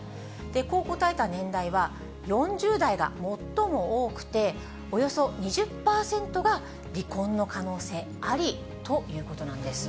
こう答えた年代は４０代が最も多くて、およそ２０％が離婚の可能性ありということなんです。